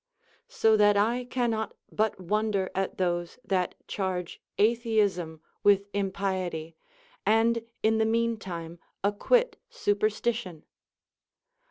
10. So that I cannot but wonder at those that charge atheism with impiety, and in the mean time acquit super stition.